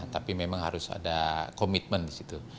tapi memang harus ada komitmen di situ